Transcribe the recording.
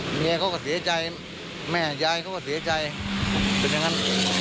เมียเขาก็เสียใจแม่ยายเขาก็เสียใจเป็นอย่างนั้น